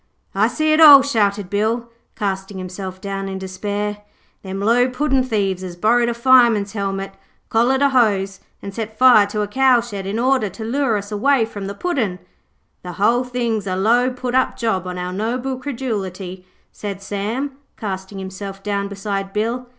'I see it all,' shouted Bill, casting himself down in despair. 'Them low puddin' thieves has borrowed a fireman's helmet, collared a hose, an' set fire to a cowshed in order to lure us away from the Puddin'.' 'The whole thing's a low put up job on our noble credulity,' said Sam, casting himself down beside Bill.